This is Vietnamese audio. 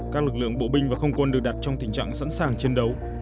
các lực lượng bộ binh và không quân được đặt trong tình trạng sẵn sàng chiến đấu